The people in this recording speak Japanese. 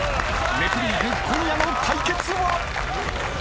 ［『ネプリーグ』今夜の対決は］